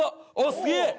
すげえ！